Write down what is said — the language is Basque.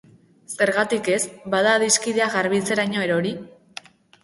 Zergatik ez, bada, adiskidea garbitzeraino erori?